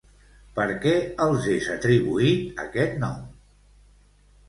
Per què els és atribuït aquest nom?